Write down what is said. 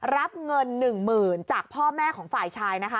รับเงิน๑หมื่นจากพ่อแม่ของฝ่ายชาย